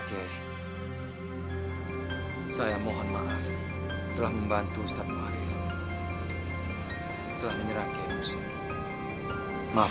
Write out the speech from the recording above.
dia telah menangkap muarif